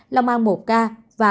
lòng an một ca